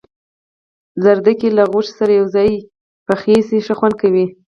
گازرې چې له غوښې سره یو ځای پخې شي خوند کوي.